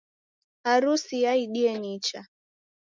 Harusi yaidie nicha